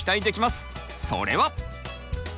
それは。